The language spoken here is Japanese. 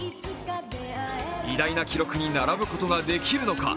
偉大な記録に並ぶことができるのか。